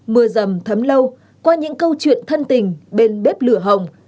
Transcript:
mưa dầm thấm lâu qua những câu chuyện thân tình bên bếp lửa hồng